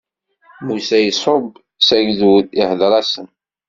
Musa iṣubb s agdud, ihdeṛ-asen.